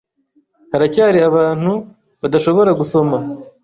Haracyari abantu badashobora gusoma.